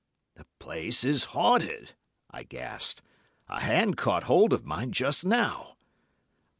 "'The place is haunted,' I gasped. 'A hand caught hold of mine just now.